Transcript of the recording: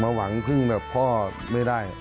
หวังพึ่งแบบพ่อไม่ได้